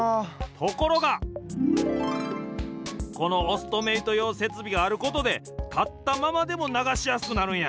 ところがこのオストメイトようせつびがあることでたったままでもながしやすくなるんや。